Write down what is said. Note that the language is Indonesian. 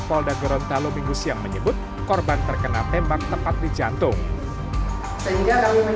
polda gorontalo minggu siang menyebut korban terkena tembak tepat di jantung sehingga rawinan